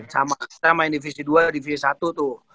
sama kita main divisi dua divisi satu tuh